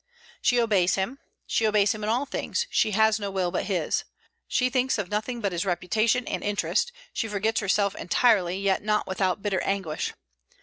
She obeys him; she obeys him in all things; she has no will but his. She thinks of nothing but his reputation and interest; she forgets herself entirely, yet not without bitter anguish.